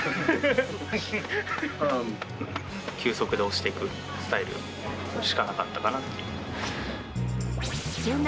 球速で押していくスタイルしかなかったかなという。